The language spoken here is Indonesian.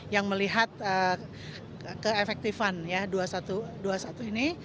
yang melihat keefektifan ya dua puluh satu ini